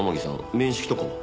面識とかは？